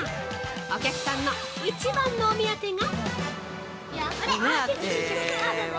お客さんの一番のお目当てが。